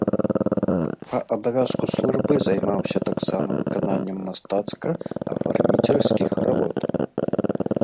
Па абавязку службы займаўся таксама выкананнем мастацка-афарміцельскіх работ.